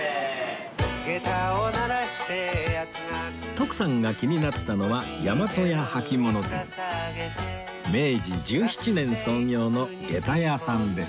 徳さんが気になったのは明治１７年創業の下駄屋さんです